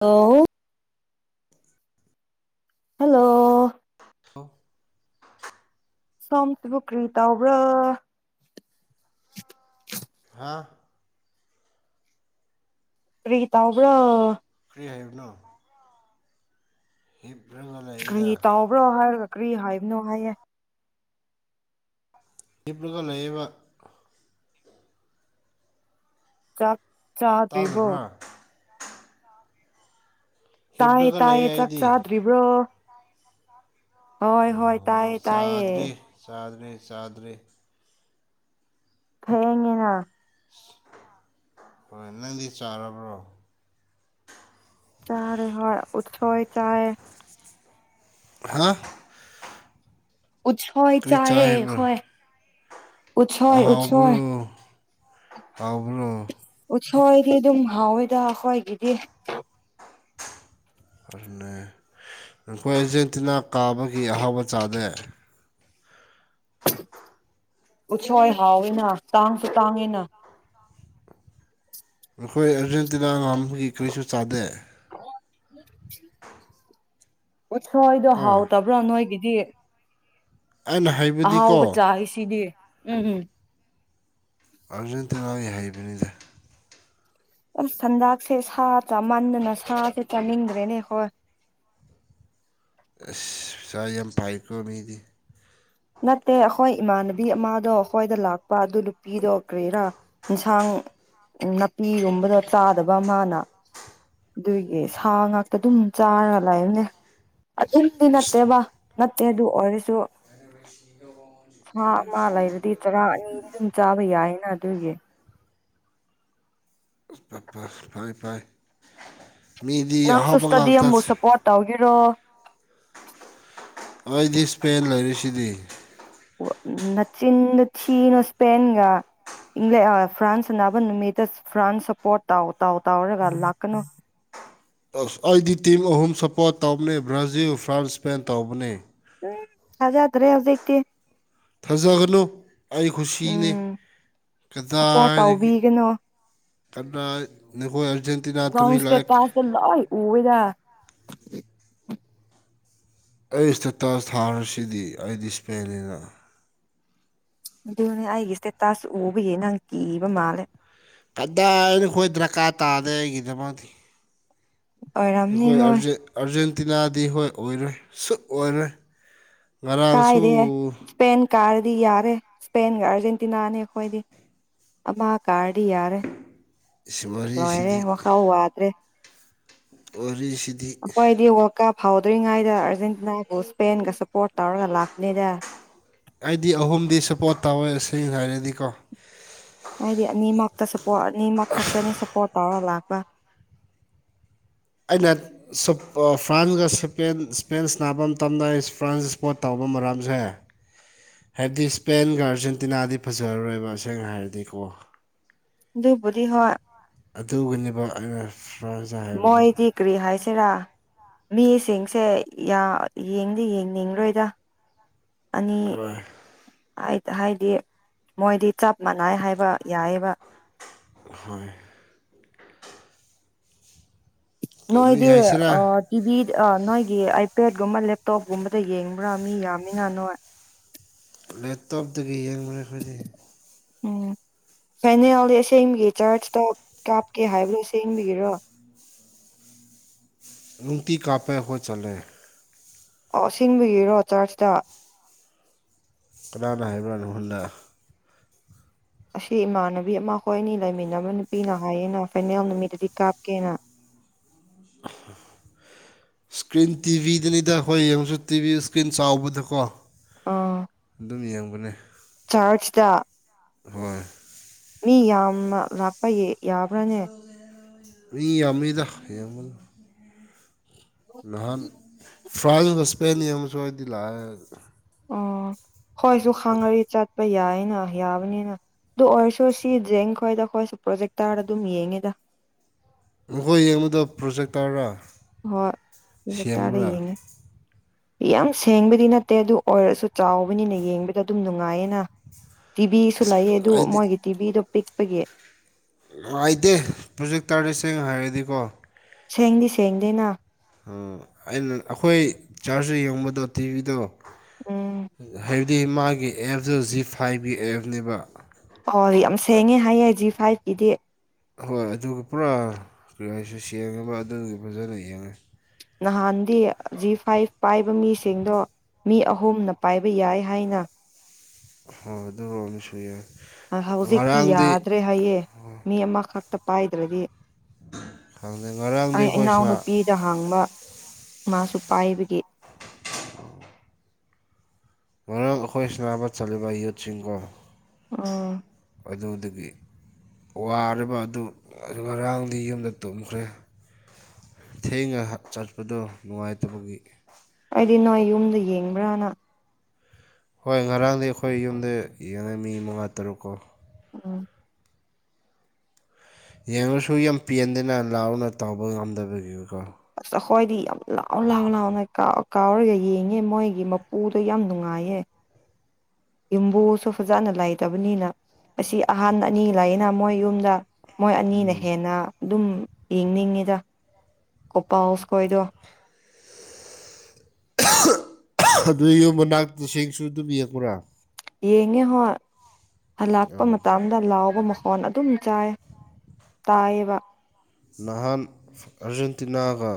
ꯑꯣ ꯍꯜꯂꯣ [unintelligible] ꯁꯣꯝꯇꯕꯨ ꯀ꯭ꯔꯤꯇꯥꯎ ꯕ꯭ꯔꯣ ꯍꯥꯥ ꯀꯥꯔꯤꯒꯤ ꯇꯥꯑꯣꯕ꯭ꯔ [unintelligible] ꯍꯤꯞꯂꯒ ꯂꯩꯗ ꯕ꯭ꯔꯣ ꯍꯥꯏꯔꯒ ꯀ꯭ꯔꯤ ꯍꯥꯏꯕꯅꯣ ꯍꯥꯏꯌꯦ ꯍꯤꯞꯂꯒ ꯂꯩꯌꯦꯕ ꯆꯥꯛ ꯆꯥꯗ꯭ꯔꯤꯕꯣ ꯇꯥꯗꯕ꯭ꯔꯥ ꯇꯥꯌꯦ ꯍꯤꯞꯂꯒ ꯂꯩꯌꯦ ꯇꯥꯏꯌꯦ ꯆꯥꯛ ꯑꯩꯗꯤ ꯆꯥꯗ꯭ꯔꯤꯕ꯭ꯔꯣ ꯍꯣꯏ ꯍꯣꯏ ꯇꯥꯏꯌꯦ ꯇꯥꯏꯌꯦ ꯆꯗ꯭ꯔꯤ ꯆꯗ꯭ꯔꯤ ꯊꯦꯡꯉꯦꯅ ꯍꯣꯏ ꯅꯪꯗꯤ ꯆꯥꯔꯕ꯭ꯔꯣ ꯆꯥꯔꯦ ꯍꯣꯏ ꯑꯣꯁꯣꯏ ꯆꯥ ꯍꯥꯥ ꯎꯁꯣꯏ ꯀꯔꯤ ꯆꯥꯏ ꯆꯥꯏꯌꯦ ꯍꯥꯏꯕ꯭ꯔꯣ ꯍꯣꯏ ꯎꯣꯏ ꯑꯍꯥꯎꯕ꯭ꯔꯣ ꯎꯣꯏ ꯍꯥꯎꯕ꯭ꯔꯣ ꯎꯠꯁꯣꯏꯗꯤ ꯑꯗꯨꯝ ꯍꯥꯎꯋꯦꯗ ꯑꯩꯈꯣꯏꯒꯤꯗꯤ ꯑꯗꯨꯅꯦ ꯅꯈꯣꯏ ꯑꯦꯔꯖꯦꯟꯇꯤꯅꯥ ꯀꯥꯕꯒꯤ ꯑꯍꯥꯎꯕ ꯆꯥꯗꯦ ꯎꯠꯁꯣꯏ ꯍꯥꯎꯋꯦꯅ ꯇꯥꯡꯁꯨ ꯇꯥꯡꯉꯦꯅ ꯑꯩꯈꯣꯏ ꯑꯔꯖꯦꯟꯇꯤꯅꯥ ꯉꯥꯝꯕꯒꯤ ꯀꯔꯤꯁꯨ ꯆꯥꯗꯦ ꯑꯣꯊꯣꯏꯗꯣ ꯍꯥ ꯍꯥꯎꯇꯕ꯭ꯔꯣ ꯅꯣꯏꯒꯤꯗꯤ ꯑꯩꯅ ꯍꯥꯏꯕꯗꯤꯀꯣ ꯑꯍꯥꯎꯕ ꯆꯥꯔꯤꯁꯤꯗꯤ ꯎꯝ ꯑꯥꯔꯖꯦꯟꯇꯤꯅꯥꯒꯤ ꯍꯩꯕꯅꯤꯗ ꯑꯁ ꯁꯟꯗꯥꯛꯁꯦ ꯁꯥ ꯆꯃꯥꯟꯗꯅ ꯁꯥꯁꯦ ꯆꯥꯅꯤꯡꯗ꯭ꯔꯦꯅꯦ ꯍꯣꯏ ꯑꯁ ꯄꯩꯁꯥ ꯌꯥꯝ ꯄꯥꯏꯀꯣ ꯃꯤꯗꯤ ꯅꯠꯇꯦ ꯑꯩꯈꯣꯏ ꯏꯃꯥꯟꯅꯕꯤ ꯑꯃꯗꯣ ꯑꯩꯈꯣꯏꯗ ꯂꯥꯛꯄ ꯑꯗꯨ ꯅꯨꯄꯤꯗꯣ ꯀ꯭ꯔꯦꯔꯥ ꯑꯦꯟꯁꯥꯡ ꯅꯥꯄꯤꯒꯨꯝꯕꯗ ꯆꯥꯗꯕ ꯃꯅꯥ ꯑꯗꯨꯏꯒꯤ ꯁꯥ ꯉꯥꯛꯇ ꯑꯗꯨꯝ ꯆꯥꯔꯒ ꯂꯥꯛꯏꯕꯅꯦ ꯑꯥꯗꯨꯏꯗꯤ ꯅꯠꯇꯦꯕ ꯅꯠꯇꯦ ꯑꯗꯨ ꯑꯣꯏꯔꯁꯨ ꯁꯥ ꯑꯃ ꯂꯩꯔꯗꯤ ꯆꯔꯥ ꯑꯅꯤꯗꯤ ꯆꯥꯕ ꯌꯥꯏꯅ ꯑꯗꯨꯒꯤ ꯐ ꯐꯩ ꯐꯩ ꯃꯤꯗꯤ ꯅꯪꯁꯨ ꯑꯍꯥꯎꯕ ꯏꯁꯇꯗꯤꯌꯝꯕꯨ ꯉꯥꯛꯇꯁ ꯁꯞꯄꯣꯔꯠ ꯇꯧꯒꯦꯔꯣ ꯑꯩꯗꯤ ꯁ꯭ꯄꯦꯟ ꯂꯩꯔꯤꯁꯤꯗꯤ ꯅ ꯆꯤꯟ ꯆꯟ ꯑꯣ ꯏꯁꯄꯦꯟꯒ ꯏꯪꯂꯦꯛ ꯐ꯭ꯔꯥꯟꯁ ꯑꯅꯥꯕ ꯅꯨꯃꯤꯠꯇ ꯐ꯭ꯔꯥꯟꯁ ꯁꯄꯣꯔꯠ ꯇꯥꯎ ꯇꯥꯎ ꯇꯥꯎꯔꯒ ꯂꯥꯛꯀꯅꯨ ꯑꯩꯗꯤ ꯇꯤꯝ ꯑꯍꯨꯝ ꯁꯄꯣꯔꯠ ꯇꯧꯕꯅꯤ ꯕ꯭ꯔꯥꯖꯤꯜ ꯐ꯭ꯔꯥꯟꯁ ꯁꯄꯦꯟ ꯇꯧꯕꯅꯤ ꯎꯝ ꯍꯖꯗ꯭ꯔꯦ ꯍꯧꯗꯀꯤ ꯊꯥꯖꯒꯅꯨ ꯑꯩ ꯈꯨꯁꯤꯅꯤ ꯎꯝ ꯁꯞꯄꯣꯔꯠ ꯀꯗꯥꯏꯗꯒꯤ ꯇꯧꯕꯤꯒꯅꯨ ꯀꯗꯥ꯭ꯔ ꯅꯈꯣ ꯑꯔꯖꯦꯟ ꯀꯪꯁꯇꯦ ꯇꯥꯁꯦ ꯂꯣꯏ ꯎꯣꯏꯗ ꯑꯩ ꯏꯁꯇꯦꯇꯥꯁ ꯊꯥꯔꯁꯤꯗꯤ ꯑꯩꯗꯤ ꯏꯁꯄꯦꯅꯤꯅ ꯑꯗꯨꯅꯦ ꯑꯩꯒꯤ ꯏꯁꯇꯦꯇꯥꯁ ꯎꯕꯒꯤ ꯅꯪ ꯀꯤꯕ ꯃꯥꯜꯂꯦ ꯀꯗꯥꯏ ꯑꯩꯈꯣꯏ ꯗꯔꯀꯥꯔ ꯇꯥꯗꯦ ꯑꯩꯒꯤꯗꯃꯛꯇ ꯑꯣꯏꯔꯝꯅꯤ ꯑꯩꯈꯣꯏ ꯍꯣꯏ ꯑꯥꯔꯖꯦꯟꯇꯤꯅꯥꯗꯤ ꯍꯣꯏ ꯑꯣꯏꯔꯣꯏ ꯁꯨꯛ ꯑꯣꯏꯔꯣꯏ ꯉꯔꯥꯡꯁꯨ ꯀꯥꯏꯗꯦ ꯏꯁꯄꯦꯟ ꯀꯥꯔꯗꯤ ꯌꯥꯔꯦ ꯏꯁꯄꯦꯟꯒ ꯑꯥꯔꯖꯦꯟꯇꯤꯅꯥꯅꯤ ꯑꯩꯈꯣꯏꯗꯤ ꯑꯃ ꯀꯥꯔꯗꯤ ꯌꯥꯔꯦ ꯁꯤ ꯂꯣꯏꯔꯦ ꯋꯥꯔꯤꯁꯤꯗꯤ ꯋꯥꯈꯥꯎ ꯋꯥꯗ꯭ꯔꯦ ꯑꯣꯔꯤꯁꯤ ꯑꯩꯈꯣꯏꯗꯤ ꯋꯥꯔꯜ ꯀꯞ ꯐꯥꯎꯗ꯭ꯔꯤꯉꯩꯗ ꯑꯥꯔꯖꯦꯟꯇꯤꯅꯥꯕꯨ ꯏꯁꯄꯦꯟꯒ ꯁꯞꯄꯣꯔꯠ ꯇꯧꯔꯒ ꯂꯥꯛꯄꯅꯤꯗ ꯑꯩꯗꯤ ꯑꯍꯨꯝꯗꯤ ꯁꯞꯄꯣꯔꯠ ꯇꯧꯋꯦ ꯁꯦꯡꯅ ꯍꯥꯏꯔꯗꯤꯀꯣ ꯍꯥꯏꯗꯤ ꯑꯅꯤꯃꯛꯇ ꯁꯄꯣꯔꯠ ꯑꯅꯤꯃꯛ ꯈꯛꯇꯅꯦ ꯁꯞꯄꯣꯔꯠ ꯇꯧꯔ ꯂꯥꯛꯄ ꯑꯩꯅ ꯐ꯭ꯔꯥꯟꯁꯒꯄ ꯏꯁꯄꯦꯟꯁ ꯅꯥꯕ ꯃꯇꯝꯗ ꯐ꯭ꯔꯥꯟꯁ ꯏꯁꯄꯣꯔꯠ ꯇꯧꯕ ꯃꯔꯝꯁꯦ [unintelligible] ꯍꯥꯏꯕꯗꯤ ꯁ꯭ꯄꯦꯟꯒ ꯑꯥꯔꯖꯦꯟꯇꯤꯅꯥꯗꯤ ꯐꯖꯔꯔꯣꯏꯕ ꯑꯁꯦꯡꯅ ꯍꯥꯏꯔꯗꯤꯀꯣ ꯑꯗꯨꯕꯗꯤ ꯍ ꯑꯗꯨꯒꯅꯦꯕ ꯑꯩꯅ ꯐ꯭ꯔꯥꯟꯁꯇ ꯍꯥꯏꯕꯗꯣ ꯃꯣꯏꯗꯤ ꯀꯔꯤ ꯍꯥꯏꯁꯦꯔꯥ ꯃꯤꯁꯤꯡꯁꯦ ꯌꯦꯡꯗꯤ ꯌꯦꯡꯅꯤꯡꯂꯣꯏꯗ ꯑꯅꯤ ꯍꯣꯏ ꯍꯥꯏꯗꯤ ꯃꯣꯏꯗꯤ ꯆꯞ ꯃꯥꯟꯅꯩ ꯍꯥꯏꯕ ꯌꯥꯏꯌꯦꯕ꯫ ꯍꯣꯏ꯫ ꯀꯔꯤ ꯅꯣꯏꯗꯤ ꯍꯥꯏꯁꯤꯔꯥ ꯑ꫰꫰ ꯀꯤꯚꯤ ꯅꯣꯏꯒꯤ ꯑꯥꯏꯄꯦꯗꯀꯨꯝꯕ ꯂꯦꯞꯇꯣꯞꯀꯨꯝꯕꯗ ꯌꯦꯡꯕ꯭ꯔꯥ ꯃꯤ ꯌꯥꯝꯃꯤꯅꯥ ꯅꯣꯏ꯫ ꯂꯦꯞꯇꯣꯞꯇꯒꯤ ꯌꯦꯡꯕꯅꯦ ꯑꯩꯈꯣꯏꯗꯤ꯫ ꯎꯝ ꯐꯥꯏꯅꯦꯜꯗꯤ ꯑꯁꯦꯡꯕꯤꯒꯦ ꯆꯥꯔꯆꯇꯣ ꯀꯥꯞꯀꯦ ꯍꯥꯏꯕꯗꯨ ꯑꯁꯦꯡꯕꯤꯒꯤꯔꯣ꯫ ꯅꯨꯡꯇꯤ ꯀꯥꯞꯄꯦ ꯑꯩꯈꯣꯏ ꯆꯠꯂꯦ꯫ ꯑꯣ ꯑꯁꯦꯡꯕꯒꯤꯔꯣ ꯆꯥꯔꯆꯇ꯫ ꯀꯅꯥꯅ ꯍꯥꯏꯕꯔꯥ ꯅꯪ ꯉꯣꯟꯗ ꯑꯁꯤ ꯏꯃꯥꯟꯅꯕꯤ ꯑꯃ ꯍꯣꯏꯅꯤ ꯂꯩꯃꯤꯟꯅꯕ ꯅꯨꯄꯤꯅ ꯍꯥꯏꯌꯦꯅ ꯐꯥꯏꯅꯦꯜ ꯅꯨꯃꯤꯠꯇꯗꯤ ꯀꯥꯞꯀꯦꯅ꯫ [unintelligible] ꯏꯁꯀ꯭ꯔꯤꯟ ꯇꯤꯚꯤꯗꯅꯤꯗ ꯑꯩꯈꯣꯏ ꯌꯦꯡꯉꯁꯨ ꯇꯤꯚꯤ ꯏꯁꯀ꯭ꯔꯤꯟ ꯆꯥꯎꯕꯗꯀꯣ ꯑꯥ ꯑꯗꯨꯝꯅ ꯌꯦꯡꯕꯅꯦ ꯆꯥꯆꯗ ꯍꯣꯏ ꯃꯤ ꯌꯥꯝꯅ ꯂꯥꯛꯄ ꯌꯥꯕ꯭ꯔꯥꯅꯦ ꯃꯤ ꯌꯥꯝꯃꯤꯃꯤꯗꯃ ꯅꯍꯥꯟ ꯐ꯭ꯔꯥꯟꯁ ꯁꯄꯦꯟ ꯌꯥꯝ ꯑꯃꯁꯁꯨꯋꯥꯗꯤ ꯂ ꯑꯣ ꯍꯣꯏꯁꯨ ꯈꯪꯉꯔꯤ ꯆꯠꯄ ꯌꯥꯏꯅ ꯌꯥꯕꯅꯤꯅ ꯑꯗꯨ ꯑꯣꯏꯔꯁꯨ ꯁꯤ ꯖꯦꯡ ꯈꯣꯏꯗ ꯑꯩꯈꯣꯏꯁꯨ ꯄ꯭ꯔꯣꯖꯦꯛꯇꯔꯗ ꯑꯗꯨꯝ ꯌꯦꯡꯉꯦꯗ ꯅꯣꯏ ꯌꯦꯡꯕꯗ ꯄ꯭ꯔꯣꯖꯦꯛ ꯇꯥꯔꯥ ꯍꯣꯏ ꯂꯦꯇꯥꯥꯔ ꯌꯦꯡꯉꯦ꯫ ꯌꯥꯝ ꯁꯦꯡꯕꯗꯤ ꯅꯠꯇꯦ ꯑꯗꯨ ꯑꯣꯏꯔꯁꯨ ꯆꯥꯎꯕꯅꯤꯅ ꯌꯦꯡꯕꯗ ꯑꯗꯨꯝ ꯅꯨꯡꯉꯥꯏꯌꯦꯅ꯫ ꯇꯤꯚꯤꯁꯨ ꯑꯁ ꯂꯩꯌꯦ ꯑꯗꯨ ꯑꯩꯗꯤ ꯃꯣꯏꯒꯤ ꯇꯤꯚꯤꯗꯣ ꯄꯤꯛꯄꯒꯤ ꯅꯨꯡꯉꯥꯏꯇꯦ ꯄ꯭ꯔꯣꯖꯦꯛ ꯇꯥꯔꯁꯦꯡꯅ ꯍꯥꯏꯔꯗꯤꯀꯣ ꯁꯦꯡꯗꯤ ꯁꯦꯡꯗꯦꯅ ꯑꯩꯅ ꯑꯩꯈꯣꯏ ꯆꯥꯔꯖ ꯌꯦꯡꯕꯗꯣ ꯇꯤꯚꯤꯗꯣ ꯎꯝ ꯗꯤ ꯃꯥꯒꯤ ꯑꯦꯞꯇ ꯖꯤ ꯐꯥꯏꯚꯒꯤ ꯑꯦꯞꯅꯦꯕ ꯑꯣ ꯌꯥꯝ ꯁꯦꯡꯉꯦ ꯍꯥꯏꯌꯦ ꯖꯤ ꯐꯥꯏꯚꯀꯤꯗꯤ ꯍꯣꯏ ꯑꯗꯨꯒ ꯄꯨꯔꯥ ꯀꯔꯤ ꯍꯥꯏꯁꯤꯔ ꯁꯦꯡꯉꯥꯕ ꯑꯗꯨꯒꯤ ꯐꯖꯅ ꯌꯦꯡꯉꯁꯤ ꯅꯍꯥꯟꯗꯤ ꯖꯤ ꯐꯥꯏꯚ ꯄꯥꯏꯕ ꯃꯤꯁꯤꯡꯗꯣ ꯃꯤ ꯑꯍꯨꯝꯅ ꯄꯥꯏꯕ ꯌꯥꯏ ꯍꯥꯏꯅ [unintelligible] ꯍꯧꯖꯤꯛꯇꯤ ꯉꯔꯥꯡꯗꯤ ꯌꯥꯗ꯭ꯔꯦ ꯍꯥꯏꯌꯦ ꯃꯤ ꯑꯃꯈꯛꯇ ꯄꯥꯏꯗ꯭ꯔꯗꯤ ꯈꯪꯗꯦ ꯉꯔꯥꯡꯗꯤ ꯑꯩ ꯑꯩꯈꯣꯏ ꯏꯅꯥꯎ ꯁꯥꯅ ꯅꯨꯄꯤ ꯅꯍꯥꯡꯕ ꯃꯥꯁꯨ ꯄꯥꯏꯕꯒꯤ ꯃꯔꯥꯡ ꯑꯩꯈꯣꯏ ꯁꯅꯥꯕ ꯆꯠꯂꯤꯕ ꯌꯨꯠꯁꯤꯡꯒꯣ ꯑꯣ ꯑꯗꯨꯗꯒꯤ ꯋꯥꯔꯕ ꯑꯗꯨ ꯉꯔꯥꯡꯗꯤ ꯌꯨꯝꯗ ꯇꯨꯝꯈ꯭ꯔꯦ ꯊꯦꯡꯉꯥ ꯆꯠꯄꯗꯣ ꯅꯨꯡꯉꯥꯏꯇꯕꯒꯤ ꯑꯩꯗꯤ ꯅꯣꯏ ꯌꯨꯝꯗ ꯌꯦꯡꯕ꯭ꯔꯥꯅ ꯍꯣꯏ ꯉꯔꯥꯡꯗꯤ ꯑꯩꯈꯣꯏ ꯌꯨꯝꯗ ꯌꯦꯡꯉꯦ ꯃꯤ ꯃꯉꯥ ꯇꯔꯨꯛ ꯀꯣ ꯎꯝ ꯌꯦꯡꯉꯁꯨ ꯌꯥꯝ ꯄꯦꯟꯗꯅ ꯂꯥꯎꯅ ꯇꯧꯕ ꯉꯝꯗꯕꯒꯤꯀꯣ ꯑꯁ ꯑꯩꯈꯣꯏꯗꯤ ꯌꯥꯝ ꯂꯥꯎ ꯂꯥꯎ ꯂꯥꯎꯅ ꯀꯥꯎ ꯀꯥꯎꯔꯒ ꯌꯦꯡꯉꯦ ꯃꯣꯏꯒꯤ ꯃꯄꯨꯗꯣ ꯌꯥꯝ ꯅꯨꯡꯉꯥꯏꯌꯦ ꯌꯨꯝꯕꯨꯁꯨ ꯐꯖꯅ ꯂꯩꯇꯕꯅꯤꯅ ꯑꯁꯤ ꯑꯍꯥꯟ ꯑꯅꯤ ꯂꯥꯛꯌꯦꯅ ꯃꯣꯏ ꯌꯨꯝꯗ ꯃꯣꯏ ꯑꯅꯤꯅ ꯍꯦꯟꯅ ꯑꯗꯨꯝ ꯌꯦꯡꯅꯤꯡꯉꯤꯗ ꯀꯣꯄꯥꯎꯁ ꯈꯣꯏꯗꯣ ꯑꯗꯨ ꯌꯨꯝ ꯃꯅꯥꯛꯇ ꯇꯁꯦꯡꯁꯨ ꯑꯗꯨꯝ ꯌꯦꯡꯕꯔ ꯌꯦꯡꯉꯦ ꯍꯣꯏ ꯍꯜꯂꯥꯛꯄ ꯃꯇꯝ ꯗ ꯂꯥꯎꯕ ꯃꯈꯣꯟ ꯑꯗꯨꯝ ꯆꯥꯏ ꯇꯥꯏꯌꯦꯕ ꯅꯍꯥꯟ ꯑꯥꯔꯖꯦꯟꯇꯤꯅꯥꯒ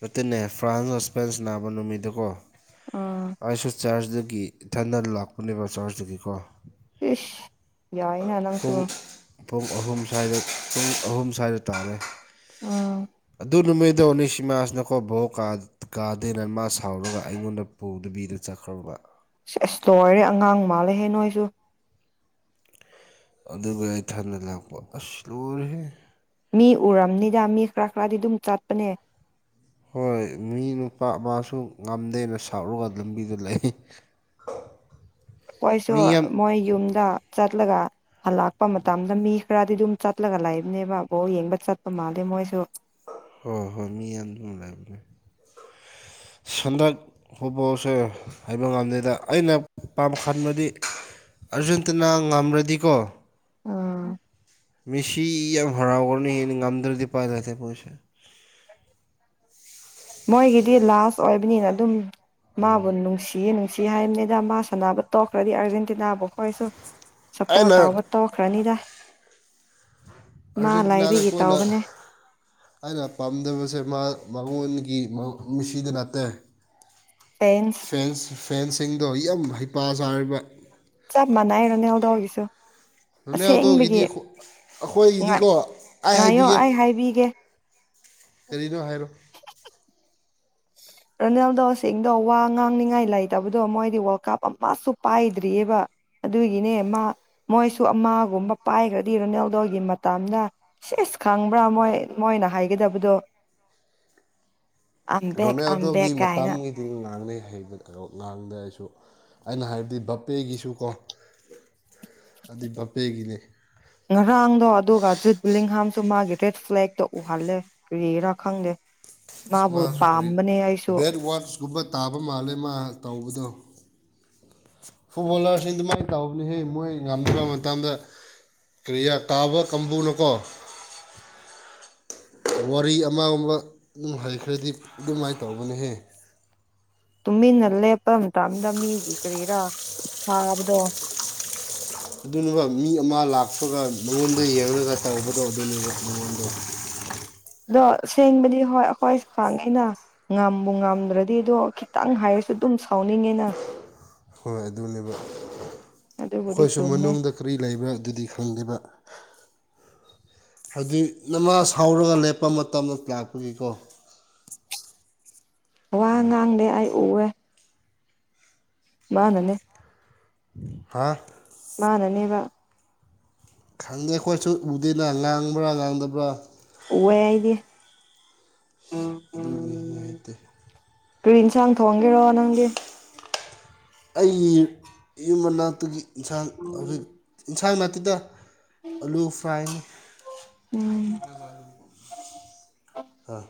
ꯑꯗꯨꯇꯟꯅꯦ ꯐ꯭ꯔꯥꯟꯁ ꯑꯣ ꯏꯁꯄꯦꯟꯁ ꯅꯥꯕ ꯅꯨꯃꯤꯠꯗꯀꯣ ꯑꯥ ꯑꯩꯁꯨ ꯆꯔꯆꯇꯒꯤ ꯏꯊꯗ ꯂꯥꯛꯄꯅꯦꯕ ꯆꯥꯔꯖꯇꯨꯒꯤꯀꯣ ꯏ ꯌꯥꯏꯅ ꯂꯪꯁꯨꯕ ꯄꯨꯡ ꯑꯍꯨꯝ ꯁ꯭ꯋꯥꯏꯗ ꯄꯨꯡ ꯑꯍꯨꯝ ꯁ꯭ꯋꯥꯏꯗ ꯇꯥꯔꯦ ꯎꯝ ꯑꯗꯨꯃꯤꯗꯅꯤ ꯁꯤꯃꯥꯁꯤꯅꯀꯣ ꯕꯧ ꯒꯥꯔꯗꯦꯟꯅ ꯃꯥ ꯁꯥꯎꯔꯒ ꯑꯩꯉꯣꯟꯗ ꯄꯨꯗꯕꯤꯗ ꯆꯠꯈ꯭ꯔꯨꯕ ꯑꯁꯇ ꯑꯣꯏꯔꯦ ꯑꯉꯥꯡ ꯃꯥꯜꯂꯦꯍꯦ ꯅꯣꯏꯁꯨ ꯑꯗꯨꯒ ꯏꯇꯟꯗ ꯂꯥꯛꯄ ꯑꯁ ꯂꯣꯏꯔꯦꯍꯦ ꯃꯤ ꯎꯔꯝꯅꯤꯗ ꯃꯤ ꯈꯔ ꯈꯔꯗꯤ ꯑꯗꯨꯝ ꯆꯠꯄꯅꯦ ꯍꯣꯏ ꯃꯤ ꯅꯨꯄꯥ ꯑꯃꯁꯨ ꯉꯝꯗꯦꯅ ꯁꯥꯎꯔꯒ ꯂꯝꯕꯤꯗꯨ ꯂꯩ ꯑꯈꯣꯏꯁꯨ ꯃꯤ ꯌꯥꯝ ꯃꯣꯏ ꯌꯨꯝꯗ ꯆꯠꯂꯒ ꯍꯜꯂꯛꯄ ꯃꯇꯝꯗ ꯃꯤ ꯈꯔꯗꯤ ꯑꯗꯨꯝ ꯆꯠꯂꯒ ꯂꯩꯏꯕꯅꯦꯕ ꯕꯣꯜ ꯌꯦꯡꯕ ꯆꯠꯄ ꯃꯥꯜꯂꯦ ꯃꯣꯏꯁꯨ ꯍꯣꯏ ꯍꯣꯏ ꯍꯣꯏ ꯃꯤ ꯌꯥꯝꯗꯨꯅ ꯂꯩꯕꯅꯦ [inaudible] ꯁꯟꯗꯥꯛ ꯐꯨꯠꯕꯣꯜꯁꯦ ꯍꯩꯕ ꯉꯝꯗꯦꯗ ꯑꯩꯅ ꯄꯥꯝ ꯈꯟꯕꯗꯤ ꯑꯥꯔꯖꯦꯟꯇꯅꯥ ꯉꯝꯔꯗꯤꯀꯣ ꯎꯝ ꯃꯦꯁꯤ ꯌꯥꯝ ꯍꯔꯥꯎꯒꯅꯤꯩꯅ ꯉꯝꯗ꯭ꯔꯗꯤ ꯄꯥꯏꯔꯁꯦ ꯄꯣꯏꯁꯦ ꯃꯣꯏꯒꯤꯗꯤ ꯂꯥꯁ ꯑꯣꯏꯕꯅꯤꯅ ꯑꯗꯨꯝ ꯃꯥꯕꯨ ꯅꯨꯡꯁꯤꯌꯦ ꯅꯨꯡ ꯁꯤ ꯍꯥꯏꯕꯅꯤꯗ ꯃꯥ ꯁꯥꯟꯅꯕ ꯇꯣꯛꯈ꯭ꯔꯗꯤ ꯑꯥꯔꯖꯦꯟꯇꯤꯅꯥꯕꯨ ꯑꯩꯣꯏꯁꯨ ꯑꯩꯅ ꯁꯞꯄꯣꯔꯠ ꯇꯧꯕ ꯇꯧꯈ꯭ꯔꯅꯤꯗ ꯃꯥ ꯑꯥꯔꯖꯦꯟꯇꯤꯅꯥꯗ ꯂꯥꯏꯕꯤꯒꯤ ꯀꯣꯟꯅ ꯇꯥꯎꯕꯅꯦ ꯑꯩꯅ ꯄꯥꯝꯖꯕꯁꯦ ꯃꯥ ꯃꯉꯣꯟꯒꯤ ꯃꯤꯁꯤꯗ ꯅꯠꯇꯦ ꯄꯦꯟ ꯐꯦꯟꯁ ꯐꯦꯟꯁꯤꯡꯗꯣ ꯌꯥꯝ ꯍꯩꯄꯥ ꯆꯥꯔꯤꯕ ꯆꯥꯞ ꯃꯅꯥꯏꯔ ꯔꯣꯅꯥꯜꯗꯣ ꯒꯤꯁꯨ ꯔꯣꯅꯥꯜꯗꯣꯒꯤꯗꯤ ꯑꯁꯦꯡꯕꯒꯤ ꯑꯩꯈꯣꯏꯒꯤꯗꯤꯀꯣ ꯑꯩ ꯉꯥꯏꯌꯣ ꯍꯥꯏꯕꯤꯒꯦ ꯑꯩ ꯍꯥꯏꯕꯤꯒꯦ ꯀꯔꯤꯅꯣ ꯍꯥꯏꯔꯣ ꯔꯥꯅꯦꯜꯗꯣꯁꯤꯡꯗꯣ ꯋꯥ ꯉꯥꯡꯅꯤꯡꯉꯥꯏ ꯂꯩꯇꯕꯗꯣ ꯃꯣꯏꯗꯤ ꯋꯥꯔꯜ ꯀꯞ ꯑꯃꯁꯨ ꯄꯥꯏꯗ꯭ꯔꯤꯑꯕ ꯑꯗꯨꯒꯤꯅꯦ ꯃꯥ ꯃꯣꯏꯁꯨ ꯑꯃꯒꯨꯝꯕ ꯄꯥꯏꯈ꯭ꯔꯗꯤ ꯔꯣꯅꯦꯜꯗꯣꯒꯤ ꯃꯇꯅ ꯁꯦꯁ ꯈꯪꯕ꯭ꯔꯥ ꯃꯣꯏ ꯃꯣꯏꯅ ꯍꯥꯏꯒꯗꯕꯗꯣ ꯕꯦꯛ ꯑꯝꯕꯦꯒ ꯀꯥꯏꯅ ꯑꯗꯨ ꯉꯥꯡꯅꯩ ꯉꯥꯡꯗ꯭ꯔꯁꯨ ꯑꯩꯅ ꯍꯥꯏꯕꯗꯤ ꯕꯄꯦꯒꯤꯁꯨꯀꯣ ꯑꯗꯨꯗꯤ ꯕꯄꯦꯒꯤꯅꯦ ꯉꯔꯥꯡꯗꯣ ꯑꯗꯨꯒ ꯖꯨꯠꯂꯤꯡ ꯍꯥꯥꯝꯁꯨ ꯃꯥꯒꯤ ꯔꯦꯠ ꯐ꯭ꯂꯦꯛꯇ ꯎꯍꯜꯂꯦ ꯀꯔꯤꯔꯥ ꯈꯪꯗꯦ ꯃꯥꯕꯨ ꯄꯥꯝꯕꯅꯦ ꯑꯩꯁꯨ ꯒꯨꯝꯕ ꯇꯥꯕ ꯃꯥꯜꯂꯦ ꯃꯥ ꯇꯧꯕꯗꯣ ꯐꯨꯠꯕꯣꯂꯔꯁꯤꯡ ꯑꯗꯨꯃꯥꯏꯅ ꯇꯧꯕꯅꯤ ꯍꯦ ꯃꯣꯏ ꯉꯝꯗꯕ ꯃꯇꯝꯗ ꯀ꯭ꯔꯤꯌꯥ ꯇꯥꯕ ꯀꯥꯡꯕꯨꯅꯀꯣ ꯋꯥꯔꯤ ꯑꯃꯒꯨꯝꯕ ꯑꯗꯨꯝ ꯍꯩꯈ꯭ꯔꯗꯤ ꯑꯗꯨꯃꯥꯏꯅ ꯇꯧꯕꯅꯦꯍꯦ ꯇꯨꯃꯤꯟꯅ ꯂꯦꯞꯄ ꯃꯇꯝꯗꯃꯤꯒꯤ ꯀꯔꯥ ꯍꯥꯕꯗꯣ ꯑꯗꯨꯕ ꯃꯤ ꯑꯃ ꯂꯥꯛꯄꯒ ꯃꯉꯣꯟꯗ ꯌꯦꯡꯉꯒ ꯇꯧꯕꯗꯣ ꯑꯗꯨꯅꯦꯕ ꯃꯉꯣꯟꯗ ꯑꯗꯣ ꯁꯦꯡꯕꯗꯤ ꯍꯣꯏ ꯑꯩꯈꯣꯏ ꯈꯥꯡꯉꯤꯅ ꯉꯝꯕꯨ ꯉꯝꯗ꯭ꯔꯗꯤ ꯑꯗꯣ ꯈꯤꯇꯪ ꯍꯥꯏꯔꯁꯨ ꯑꯗꯨꯝ ꯁꯥꯎꯅꯤꯡꯉꯦꯅ ꯍꯣꯏ ꯑꯗꯨꯅꯦꯕ ꯑꯗꯨꯕꯨꯗꯤ ꯑꯩꯈꯣꯏꯁꯨ ꯆꯨꯝꯃꯦ ꯃꯅꯨꯡꯗ ꯀꯀ꯭ꯔꯤ ꯂꯩꯕ꯭ꯔꯥ ꯑꯗꯨꯗꯤ ꯈꯪꯗꯦꯕ ꯍꯥꯏꯗꯤ ꯅꯃꯥ ꯁꯥꯎꯔꯒ ꯂꯦꯞꯄ ꯃꯇꯝꯗ ꯂꯥꯛꯄꯒꯤꯀꯣ ꯋꯥ ꯑꯗꯨꯅꯦ ꯉꯥꯡꯗꯦ ꯑꯩ ꯎꯑꯦ ꯃꯥ ꯅꯅꯦ ꯍꯥꯥ ꯃꯥꯅꯅꯦꯕ ꯈꯪꯗꯦ ꯑꯩꯈꯣꯏꯁꯨ ꯎꯗꯦꯅ ꯉꯥꯡꯕ꯭ꯔꯥ ꯉꯥꯡꯗꯕ꯭ꯔꯥ ꯎꯌꯦ ꯑꯩꯗꯤ ꯑꯗꯨꯒꯤ ꯅꯨꯡꯉꯥꯏꯇꯦ ꯀꯔꯤ ꯏꯟꯁꯥꯡ ꯊꯣꯡꯒꯦꯔꯣ ꯅꯪꯒꯤ ꯑꯩꯒꯤ ꯌꯨꯝ ꯃꯅꯥꯛꯇꯨꯒꯤ ꯏꯟꯁꯥꯡ ꯍꯧꯖꯤꯛ ꯏꯟꯁꯥꯡ ꯅꯠꯇꯦꯗ ꯑꯂꯨ ꯐ꯭ꯔꯥꯏꯅꯤ ꯎꯝ ꯑꯥ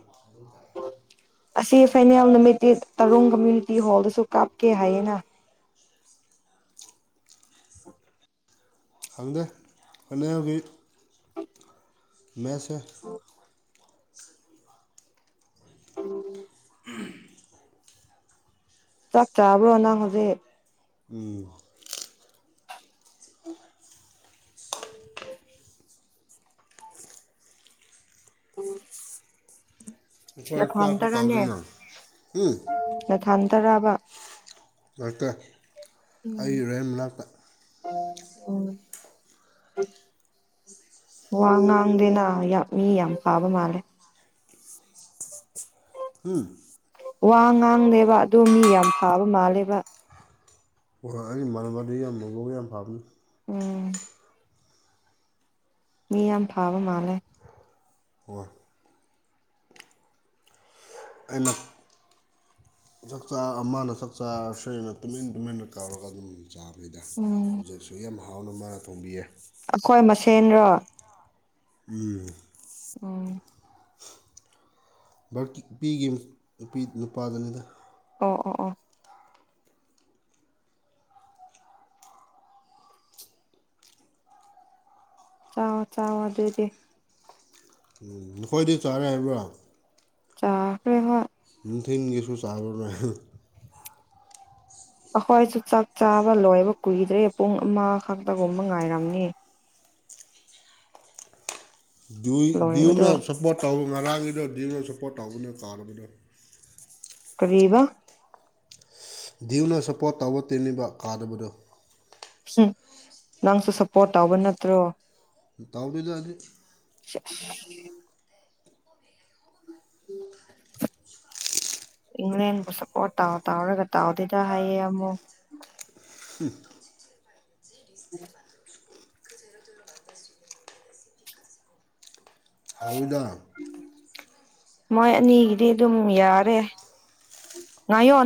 ꯑꯁꯤ ꯐꯦꯅꯦꯜ ꯅꯨꯃꯤꯇꯦꯠ ꯇꯔꯣꯡ ꯀꯝꯃ꯭ꯨꯅꯤꯇꯤ ꯍꯣꯜꯗꯁꯨ ꯀꯥꯞꯀꯦ ꯍꯥꯏꯌꯦꯅ ꯈꯪꯗꯦ ꯍꯅꯕꯤ ꯃꯁꯦ [unintelligible] ꯆꯥꯛ ꯆꯥꯕ꯭ꯔꯣ ꯅꯪ ꯍꯧꯖꯤꯛ ꯎꯝ ꯑꯩꯈꯣꯏ ꯅꯊꯥ ꯆꯥꯛꯁꯨ ꯇꯔꯥꯅꯦ ꯀꯥꯎꯗꯣꯏꯅ ꯎꯝ ꯅꯊꯥ ꯇꯔꯥꯕ ꯗꯥꯛꯇꯔ ꯑꯩ ꯎꯝ ꯔꯣꯍꯅꯥꯛꯇ [inaudible] ꯋꯥ ꯉꯥꯡꯗꯦꯅ ꯃꯤ ꯌꯥꯝ ꯀꯥꯕ ꯃꯥꯜꯂꯦ ꯎꯝ ꯋꯥ ꯉꯥꯡꯅꯦꯕ ꯑꯗꯣ ꯃꯤ ꯌꯥꯝ ꯐꯥꯕ ꯃꯥꯜꯂꯦꯕ ꯍꯣꯏ ꯑꯩꯒꯤ ꯃꯥꯟꯅꯕꯗꯨ ꯌꯥꯝ ꯃꯒꯧꯒ ꯌꯥꯝ ꯐꯥꯕꯅꯤ ꯎꯝ ꯃꯤ ꯌꯥꯝ ꯐꯥꯕ ꯃꯥꯜꯂꯦ ꯍ ꯑꯩꯅꯛ ꯆꯥꯛꯆꯥ ꯑꯃꯅ ꯆꯥꯛꯆꯥ ꯑꯁꯣꯏꯅ ꯇꯨꯃꯤꯟ ꯇꯨꯃꯤꯟꯅ ꯀꯥꯎꯔꯒ ꯑꯗꯨꯝ ꯆꯥꯕꯩꯗ ꯎꯝ ꯍꯧꯖꯤꯛꯁꯨ ꯌꯥꯝ ꯍꯥꯎꯅ ꯃꯥꯅ ꯊꯣꯡꯕꯤꯌꯦ ꯑꯩꯈꯣꯏ ꯃꯁꯦꯟꯔꯣ ꯎꯝ ꯎꯝ ꯚꯔꯀꯤ ꯅꯨꯄꯤꯒꯤ ꯅꯨꯄꯤ ꯅꯨꯄꯥꯗꯨꯅꯤꯗ ꯑꯣ ꯑꯣ ꯑꯣ ꯆꯥꯣ ꯆꯥꯎꯥꯑꯣꯣ ꯑꯗꯨꯗꯤ ꯅꯈꯣꯏꯗꯤ ꯆꯥꯔꯦ ꯍꯥꯏꯕ꯭ꯔꯣ ꯆꯥꯛꯈꯔꯍ ꯁꯝꯊꯤꯡ ꯏꯁꯁꯨ ꯁꯥꯔꯣ ꯑꯩꯈꯣꯏꯁꯨ ꯆꯥꯛ ꯆꯥꯕ ꯂꯣꯏꯕ ꯀꯨꯏꯗ꯭ꯔꯦ ꯄꯨꯡ ꯑꯃꯈꯛꯇꯒꯨꯝꯕ ꯉꯥꯏꯔꯝꯅꯤ ꯂꯣꯏꯕꯗꯣ ꯭ꯌꯅ ꯁꯞꯄꯣꯔꯠ ꯇꯧ ꯉꯔꯥꯡꯒꯤꯗꯣ ꯭ꯅ ꯁꯞꯄꯣꯔꯠ ꯇꯧꯒꯅ ꯀꯥꯔꯕꯗꯣ ꯀꯔꯤꯕ ꯗꯤꯌꯨꯅ ꯁꯞꯄꯣꯔꯠ ꯇꯧꯕ ꯇꯤꯟꯜꯂꯤꯕ ꯀꯥꯗꯕꯗꯨ ꯎꯝ ꯅꯪꯁꯨ ꯁꯞꯄꯣꯔꯠ ꯇꯧꯕ ꯅꯠꯇ꯭ꯔꯣ ꯇꯥꯎꯕꯤꯗ ꯑꯗꯨꯗꯤ [inaudible] ꯎꯝ ꯏꯪꯂꯦꯟꯕꯨ ꯁꯞꯄꯣꯔꯠ ꯇꯥꯎ ꯇꯥꯎꯔꯒ ꯇꯥꯎꯗꯦꯗ ꯍꯥꯏꯌꯦ ꯑꯃꯨꯛ ꯎꯝ ꯎꯝ ꯍꯥꯎꯗꯥ ꯃꯣꯏ ꯑꯅꯤꯒꯤꯗꯤ ꯑꯗꯨꯝ ꯌꯥꯔꯦ ꯉꯥꯌꯣꯟ